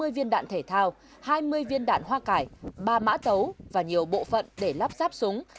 hai ba trăm năm mươi viên đạn thể thao hai mươi viên đạn hoa cải ba mã tấu và nhiều bộ phận để lắp ráp súng